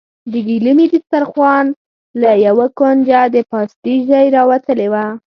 د ګيلمي دسترخوان له يوه کونجه د پاستي ژۍ راوتلې وه.